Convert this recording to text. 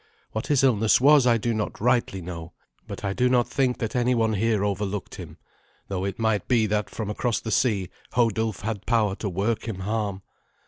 What his illness was I do not rightly know, hut I do not think that any one here overlooked him, though it might be that from across the sea Hodulf had power to work him harm.